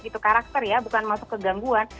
itu karakter ya bukan masuk kegangguan